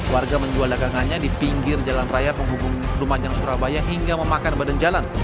warga menjual dagangannya di pinggir jalan raya penghubung lumajang surabaya hingga memakan badan jalan